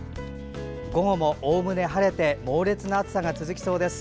午後もおおむね晴れて猛烈な暑さが続きそうです。